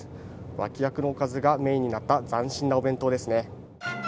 脇役のおかずがメインになった斬新なお弁当ですね。